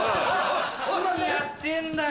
何やってんだよ！